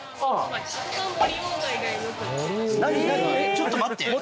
ちょっと待って。